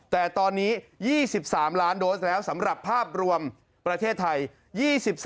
แต่ตอนนี้๒๓ล้านโดสแล้วสำหรับภาพรวมประเทศไทย